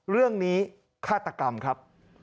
เรื่องนี้คาตรกรรมครับ